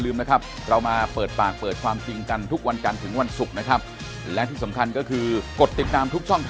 จับมือกันหน่อยจับมือกันหน่อย